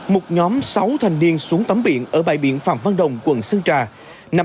một nhóm sáu thanh niên xuống tắm biển ở bãi biển phạm văn đồng quận sơn trà